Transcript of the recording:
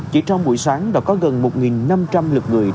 chỉ trong buổi sáng đã có gần một năm trăm linh lực người